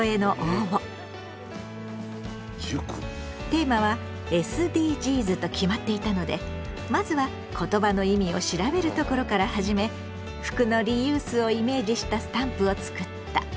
テーマはＳＤＧｓと決まっていたのでまずは言葉の意味を調べるところから始め服のリユースをイメージしたスタンプをつくった。